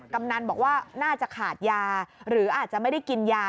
กำนันบอกว่าน่าจะขาดยาหรืออาจจะไม่ได้กินยา